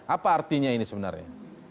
apa artinya ini sebenarnya